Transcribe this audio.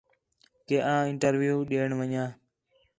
کہ آں انٹرویو ݙے ونڄاں